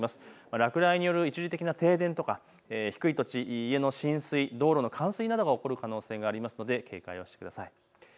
落雷による一時的な停電とか低い土地、家の浸水、道路の冠水などが起こる可能性があるので警戒をしてください。